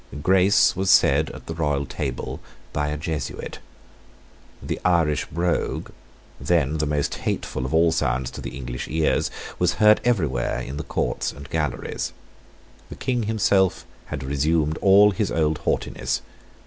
Grace was said at the royal table by a Jesuit. The Irish brogue, then the most hateful of all sounds to English ears, was heard everywhere in the courts and galleries. The King himself had resumed all his old haughtiness.